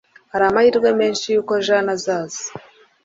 Hari amahirwe menshi yuko Jane azaza.